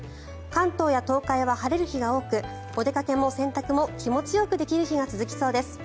関東や東海は晴れる日が多くお出かけも洗濯も気持ちよくできる日が続きそうです。